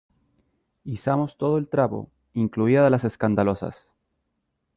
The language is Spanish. izamos todo el trapo , incluidas las escandalosas .